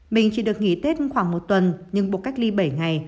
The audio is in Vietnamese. mình chỉ được nghỉ tết khoảng một tuần nhưng buộc cách ly bảy ngày